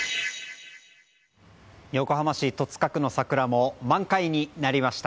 横浜市戸塚区の桜も満開になりました。